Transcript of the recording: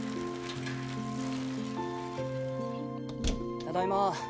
ただいま。